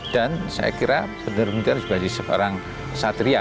dan saya kira benar benar juga jadi seorang satria